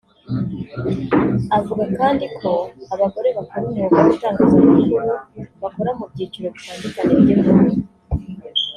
Avuga kandi ko abagore bakora umwuga w’itangazamakuru bakora mu byiciro bitandukanye by’inkuru